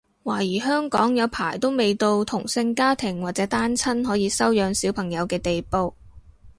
懷疑香港有排都未到同性家庭或者單親可以收養小朋友嘅地步